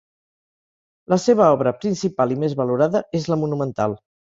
La seva obra principal i més valorada és la monumental.